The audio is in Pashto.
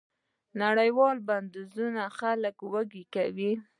نړیوال بندیزونه خلک وږي کوي.